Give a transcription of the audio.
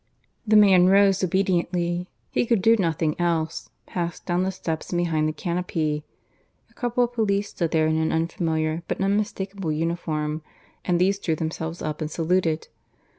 The man rose obediently (he could do nothing else), passed down the steps and behind the canopy. A couple of police stood there in an unfamiliar, but unmistakable uniform, and these drew themselves up and saluted.